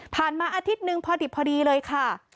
ผ่านมาอาทิตย์หนึ่งพอดีเลยค่ะ